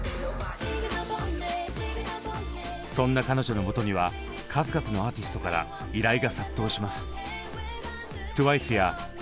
そんな彼女のもとには数々のアーティストから依頼が殺到します。